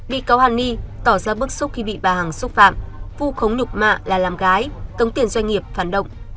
bị cáo hàn ni tỏ ra bức xúc khi bị bà hằng xúc phạm vu khống nhục mạ là làm gái tống tiền doanh nghiệp phản động